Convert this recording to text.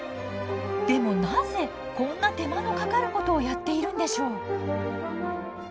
でもなぜこんな手間のかかることをやっているんでしょう。